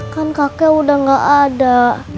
kan kakek udah gak ada